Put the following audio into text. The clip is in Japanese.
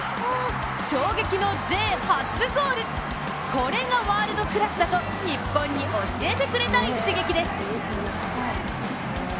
これがワールドクラスだと日本に教えてくれた一撃です。